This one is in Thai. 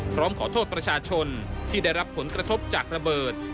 พร้อมขอโทษประชาชนที่ได้รับผลกระทบจากระเบิด